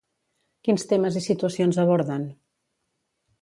Quins temes i situacions aborden?